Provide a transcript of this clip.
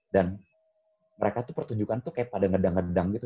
dan mereka tuh pertunjukan tuh kayak pada ngedang ngedang gitu